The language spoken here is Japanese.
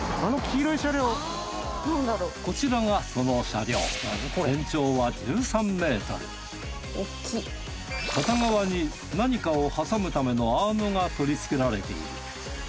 こちらがその車両片側に何かを挟むためのアームが取り付けられている。